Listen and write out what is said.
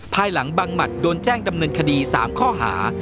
ภายหลังบังหมัดโดนแจ้งดำเนินคดี๓ข้อหา